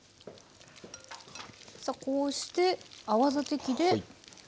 さあこうして泡立て器で。